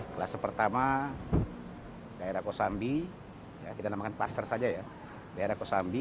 kluster pertama daerah kosambi ya kita namakan klaster saja ya daerah kosambi